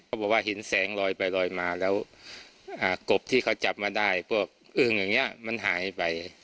บอกว่าเห็นแสงลอยไปลอยมาแล้วกบที่เขาจับมาได้พวกอึ้งอย่างนี้มันหายไป